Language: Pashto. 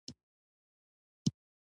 ويې ويل اوبه غواړي.